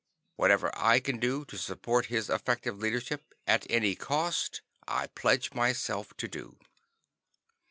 Whatever I can do to support his effective leadership, at any cost, I pledge myself to do."